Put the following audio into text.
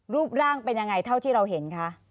รูปร่างเป็นยังไงเท่าที่เราเห็นคะ